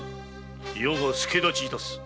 余が助太刀致す。